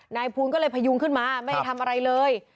นายภูลก็เลยพยุงขึ้นมาไม่ได้ทำอะไรเลย